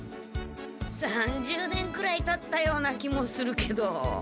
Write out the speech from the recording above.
３０年くらいたったような気もするけど。